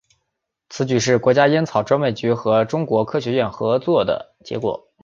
此举是国家烟草专卖局和中国科学院合作的结果。